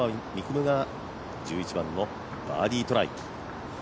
夢の１１番のバーディートライ。